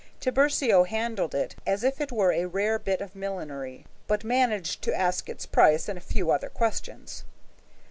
Tiburcio handled it as if it were a rare bit of millinery, but managed to ask its price and a few other questions.